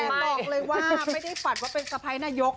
แต่บอกเลยว่าไม่ได้ฝันว่าเป็นสะพ้ายนายก